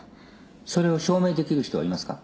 それを証明できる人はいますか。